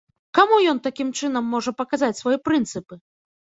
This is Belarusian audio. Каму ён такім чынам можа паказаць свае прынцыпы?